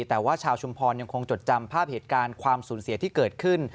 แต่ว่าชาวชุมพรยังคงจดจำภาพเหตุการณ์ความสูญเสียที่เกิดขึ้น